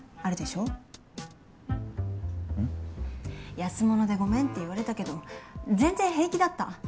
安物でごめんって言われたけど全然平気だった。